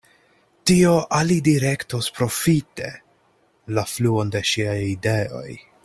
Tio alidirektos profite la fluon de ŝiaj ideoj.